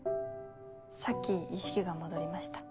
さっき意識が戻りました。